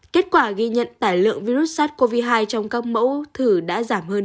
kết quả ghi nhận tải lượng virus sars cov hai trong các mẫu thử đã giảm hơn chín mươi năm